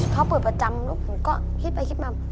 พอเปิดประจำลูกผมก็คิดไปคิดมา